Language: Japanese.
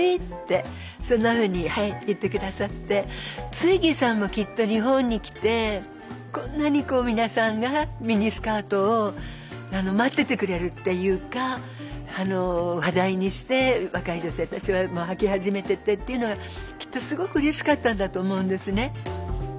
ツイッギーさんもきっと日本に来てこんなに皆さんがミニスカートを待っててくれるっていうか話題にして若い女性たちもはき始めてっていうのがきっとすごくうれしかったんだと思うんですね。